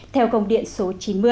theo công điện số chín mươi